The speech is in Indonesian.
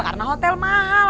karena hotel mahal